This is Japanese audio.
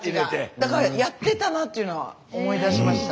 だからやってたなっていうのは思い出しました。